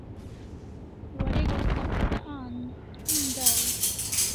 Warek asta kura en dai e?